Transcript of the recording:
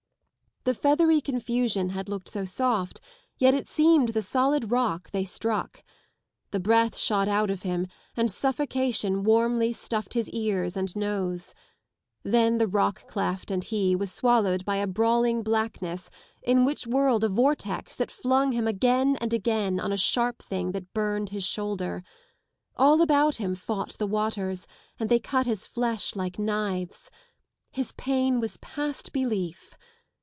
The feathery confusion had looked so soft, yet it seemed the solid rock they struck. The breath shot out of him and suffocation warmly stuffed his ears and nose. Then the rock cleft and he was swallowed by a brawling blackness in which whirled a vortex that Sung him again and again on a sharp thing that burned his shoulder. AH about him fought the waters, and they cut his flesh like knives. His pain was past belief.